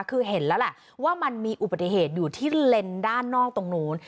คือเห็นแล้วแหละว่ามันมีอุบัติเหตุอยู่ที่เลนส์ด้านนอกตรงนู้น